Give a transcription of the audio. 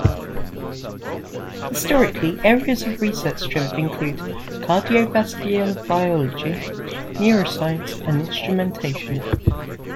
Historically, areas of research strength include cardiovascular biology, neuroscience, and instrumentation.